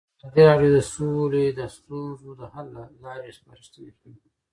ازادي راډیو د سوله د ستونزو حل لارې سپارښتنې کړي.